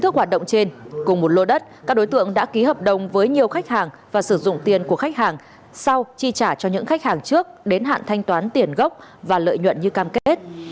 trước cùng một lô đất các đối tượng đã ký hợp đồng với nhiều khách hàng và sử dụng tiền của khách hàng sau chi trả cho những khách hàng trước đến hạn thanh toán tiền gốc và lợi nhuận như cam kết